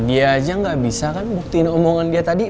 dia aja gak bisa kan buktiin omongan dia tadi